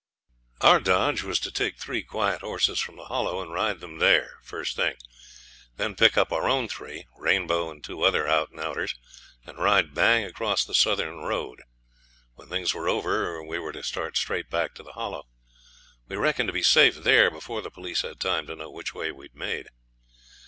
Our dodge was to take three quiet horses from the Hollow and ride them there, first thing; then pick up our own three Rainbow and two other out and outers and ride bang across the southern road. When things were over we were to start straight back to the Hollow. We reckoned to be safe there before the police had time to know which way we'd made.